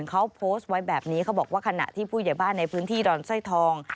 เขาโพสต์ไว้แบบนี้เขาบอกว่าขณะที่ผู้ใหญ่บ้านในพื้นที่ดอนสร้อยทอง